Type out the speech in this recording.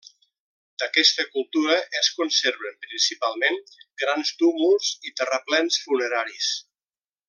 D'aquesta cultura es conserven, principalment, grans túmuls i terraplens funeraris.